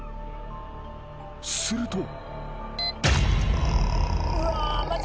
［すると］